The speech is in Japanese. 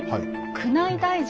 宮内大臣。